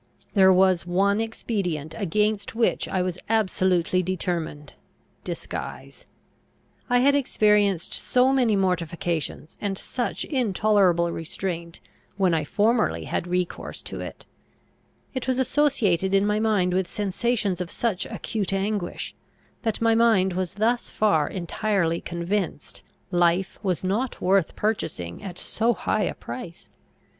There was one expedient against which I was absolutely determined disguise. I had experienced so many mortifications, and such intolerable restraint, when I formerly had recourse to it; it was associated in my memory with sensations of such acute anguish, that my mind was thus far entirely convinced: life was not worth purchasing at so high a price!